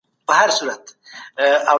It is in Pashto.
څه شی د ناڅاپي سفرونو او کارونو خوند زیاتوي؟